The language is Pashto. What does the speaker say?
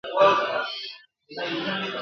د ښکاري به په ښکار نه سوې چمبې غوړي ..